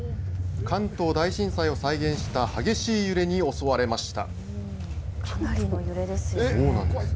関東大震災を再現した激しい揺れに襲われました。